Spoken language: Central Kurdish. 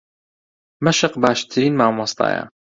مەشق باشترین مامۆستایە.